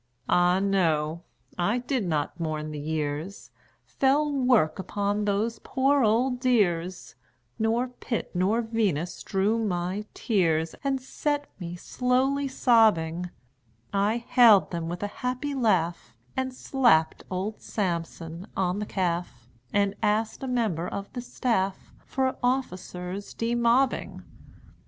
Ah, no; I did not mourn the years' Fell work upon those poor old dears, Nor Pitt nor Venus drew my tears And set me slowly sobbing; I hailed them with a happy laugh And slapped old Samson on the calf, And asked a member of the staff For "Officers Demobbing."